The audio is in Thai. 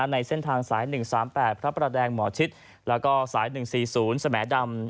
ในเส้นทางสาย๑๓๘พระประแดงหมอชิดแล้วก็สาย๑๔๐สมดำ